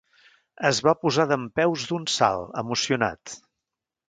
Es va posar dempeus d'un salt, emocionat.